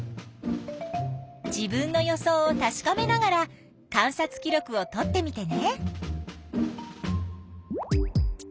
自分の予想をたしかめながら観察記録をとってみてね！